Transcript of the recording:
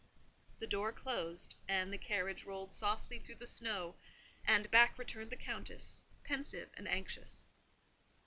The door closed, and the carriage rolled softly through the snow; and back returned the Countess, pensive and anxious.